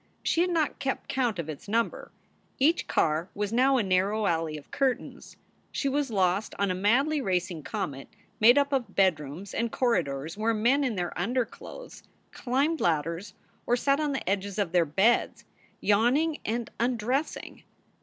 She had not kept count of its number. Each car was now a narrow alley of curtains. She was lost on a madly racing comet made up of bed rooms and corridors where men in their underclothes climbed ladders or sat on the edges of their beds, yawning and undressing.